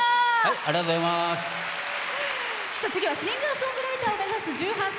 次はシンガーソングライターを目指す１８歳。